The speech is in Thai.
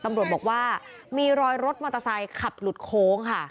ตำรวจบอกว่ามีรอยรถมอเตอร์ไซคับหลุดโค้งค่ะ